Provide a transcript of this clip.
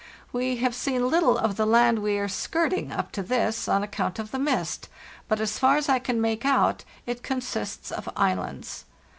We have seen little of the land we are skirting up to this, on account of the mist; but as far as I can make out it consists of islands.